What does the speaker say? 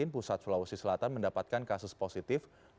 pusat sulawesi selatan mendapatkan kasus positif covid sembilan belas